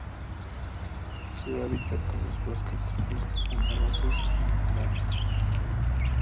Su hábitat son los bosques, bosques pantanosos y manglares.